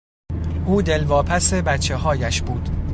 او دلواپس بچههایش بود.